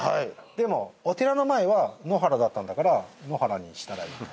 でもお寺の前は野原だったんだから野原にしたらいいと。